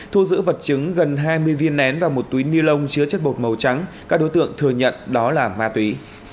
thu giữ vật chứng gần hai mươi viên nén và một túi ni lông chứa chất bột màu trắng các đối tượng thừa nhận đó là ma túy